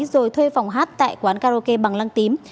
rồi thuê phòng hát tại quán karaoke bằng lăng tím